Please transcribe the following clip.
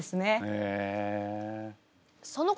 へえ。